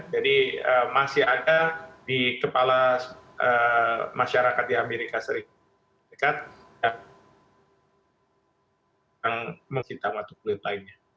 jadi masih ada di kepala masyarakat di amerika serikat yang menghintam atau kulit lainnya